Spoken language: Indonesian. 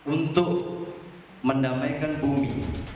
untuk mendamaikan bumi